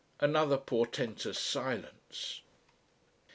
Another portentous silence.